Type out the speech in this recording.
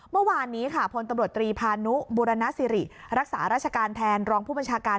เมื่อวานนี้ผลตับบรรดชีวิตปานู้ฟาสิริรักษารัชการแทนรองผู้บัญชาการ